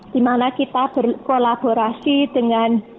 di mana kita berkolaborasi dengan aya victoria